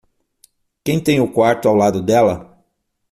Quem tem o quarto ao lado dela?